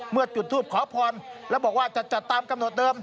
จุดทูปขอพรแล้วบอกว่าจะจัดตามกำหนดเดิม